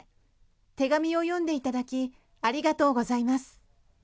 手紙を読んでいただきありがとうございます。